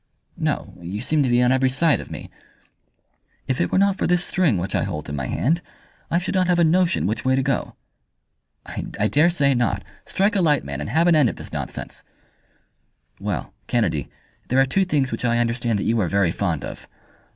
"No; you seem to be on every side of me." "If it were not for this string which I hold in my hand I should not have a notion which way to go." "I dare say not. Strike a light, man, and have an end of this nonsense." "Well, Kennedy, there are two things which I understand that you are very fond of.